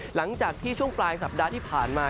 หลังจากที่ช่วงปลายสัปดาห์ที่ผ่านมา